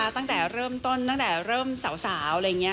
ตั้งแต่เริ่มต้นตั้งแต่เริ่มสาวอะไรอย่างนี้